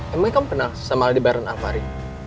emangnya kamu kenal sama aldi bareng alvari